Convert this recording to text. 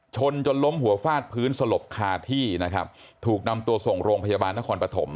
จนล้มหัวฟาดพื้นสลบคาที่นะครับถูกนำตัวส่งโรงพยาบาลนครปฐม